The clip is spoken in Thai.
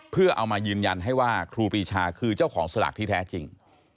เพื่อเอามายืนยันให้ว่าครูปรีชาคือเจ้าของสลากที่แท้จริง